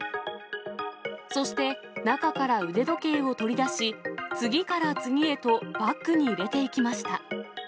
そして、中から腕時計を取り出し、次から次へとバッグに入れていきました。